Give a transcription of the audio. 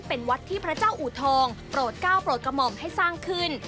เป็นวัดที่พระเจ้าอูทองโปรดก้าวโปรดกระหม่อมให้สร้างขึ้น